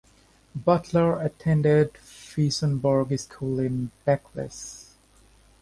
Butler attended Fauconberg School in Beccles.